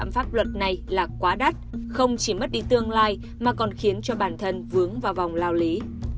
pháp luật này là quá đắt không chỉ mất đi tương lai mà còn khiến cho bản thân vướng vào vòng lao lý